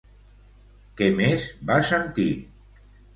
Què més va sentir?